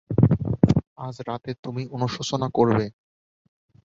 আজ রাতে তুমি অনুশোচনা করবে।